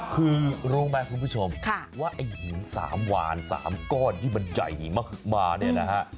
คือโรงแบบคุณผู้ชมว่ายิงสามวานสามก้อนที่มันใหญ่มากมาเนี่ยนะฮะ